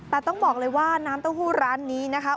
แต่ต้องบอกเลยว่าน้ำเต้าหู้ร้านนี้นะคะ